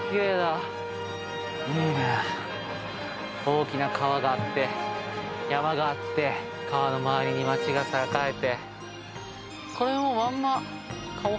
大きな川があって山があって川の周りに町が栄えて。